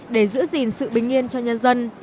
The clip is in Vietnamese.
để giữ gìn sự bình yên cho nhân dân